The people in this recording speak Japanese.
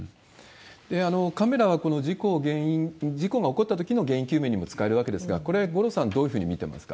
カメラはこの事故が起こったときの原因究明にも使えるわけですが、これ、五郎さん、どういうふうに見てますか？